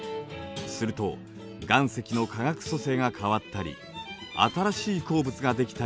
すると岩石の化学組成が変わったり新しい鉱物ができたりします。